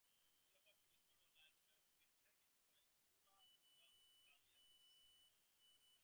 He offered to restore land that had been taken by Sulla to the Italians.